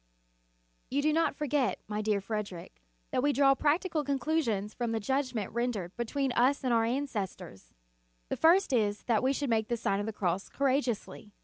You do not forget, my dear Frederic, that we draw practical conclusions from the judgment rendered between us and our an cestors. The first is, that we should make the Sign of the Cross courageously.